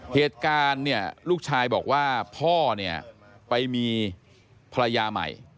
เหตุการณ์ลูกชายบอกว่าพ่อไปมีภรรยาใหม่